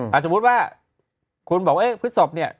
สมมุติว่าคุณบอกว่าพฤศพเนี่ย